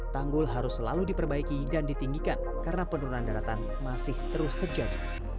tanggul harus selalu diperbaiki dan ditinggikan karena penurunan daratan masih terus terjadi